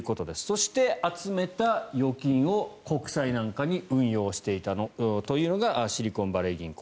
そして、集めた預金を国債なんかに運用していたというのがシリコンバレー銀行。